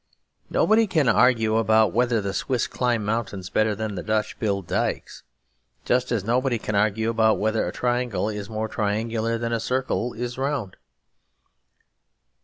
Nobody can argue about whether the Swiss climb mountains better than the Dutch build dykes; just as nobody can argue about whether a triangle is more triangular than a circle is round.